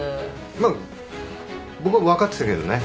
まあ僕は分かってたけどね。